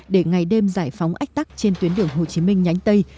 để ngày đêm giải phóng ách tắc trên tuyến đường hồ chí minh nhánh tây